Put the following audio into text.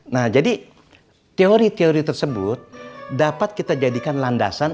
nah jadi teori teori tersebut dapat kita jadikan landasan